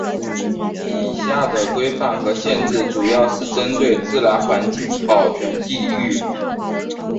以下的规范和限制主要是针对自然环境保全地域。